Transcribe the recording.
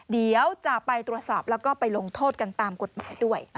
เดี๋ยวจะไปตรวจสอบแล้วก็ไปลงโทษกันตามกฎหมายด้วย